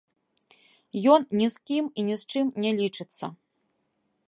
Ён ні з кім і ні з чым не лічыцца.